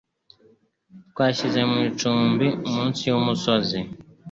Twashyize mu icumbi munsi yumusozi.